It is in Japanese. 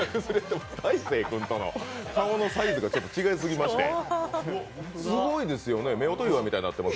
大晴君との顔のサイズが違いすぎましてねすごいですよね、夫婦岩みたいになってます。